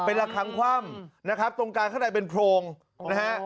เป็นระคังคว่ำนะครับตรงกลางข้างในเป็นโพรงนะฮะ